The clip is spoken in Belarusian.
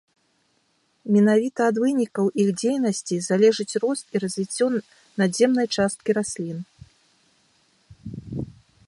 Менавіта ад вынікаў іх дзейнасці залежыць рост і развіццё надземнай часткі раслін.